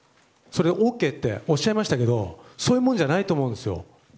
さっきおっしゃいましたけどそういうものじゃないと思うんです。